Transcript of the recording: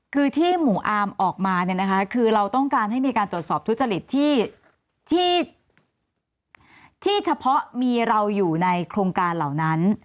คือที่หมู่อาร์มออกมาเนี่ยนะคะคือเราต้องการให้มีการตรวจสอบทุจริตที่เฉพาะมีเราอยู่ในโครงการเหล่านั้น